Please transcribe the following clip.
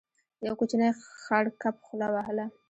يو کوچنی خړ کب خوله وهله.